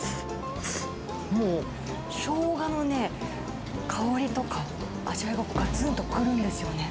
もうショウガのね、香りとか、味わいががつんとくるんですよね。